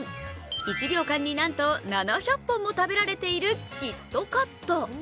１秒間になんと７００本も食べられているキットカット。